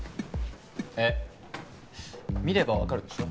えっ？見れば分かるでしょ